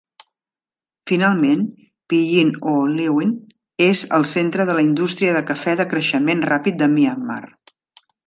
Finalment, Pyin Oo Lwin és el centre de la indústria de cafè de creixement ràpid de Myanmar.